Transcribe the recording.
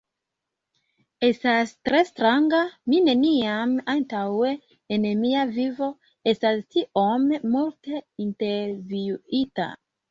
Estas tre stranga! Mi neniam antaŭe en mia vivo, estas tiom multe intervjuita!